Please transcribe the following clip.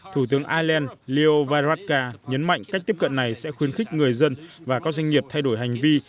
thủ tướng ireland leo varadkar nhấn mạnh cách tiếp cận này sẽ khuyến khích người dân và các doanh nghiệp thay đổi hành vi